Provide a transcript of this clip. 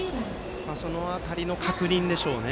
その辺りの確認でしょうね。